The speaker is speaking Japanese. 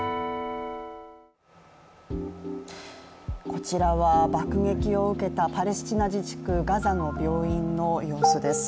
こちらは、爆撃を受けたパレスチナ自治区ガザの病院の様子です。